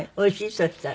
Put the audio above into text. そうしたら。